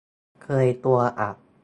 เคยตัวอะ